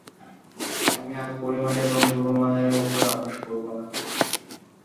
আমি আর পরিমাণ এবং গুণমানের উপর আপোষ করবো না।